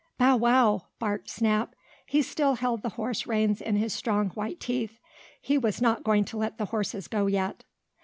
"Bow wow!" barked Snap. He still held the horse reins in his strong white teeth. He was not going to let the horses go yet.